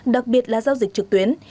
đặc biệt là giao dịch trực tuyến